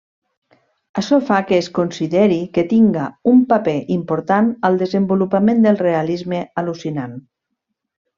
Açò fa que es consideri que tinga un paper important al desenvolupament del realisme al·lucinant.